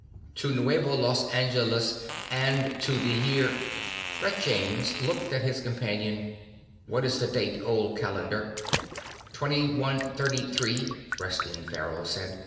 "To Nuevo Los Angeles and to the year " Brett James looked at his companion. "What is the date, Old Calendar?" "2133," Reston Farrell said.